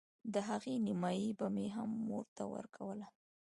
د هغې نيمايي به مې هم مور ته ورکوله.